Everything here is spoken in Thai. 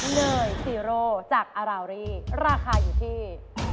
เนย๔โลจากอัลลาวิลี่ราคาอยู่ที่